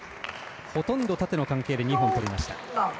ほとんど縦の関係で２本とりました。